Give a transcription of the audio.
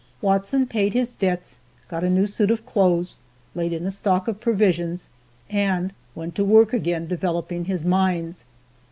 Watson paid his debts, got a new suit of clothes, laid in a stock of provisions, and went to work again developing his mines.